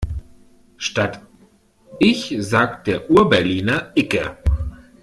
Statt ich sagt der Urberliner icke.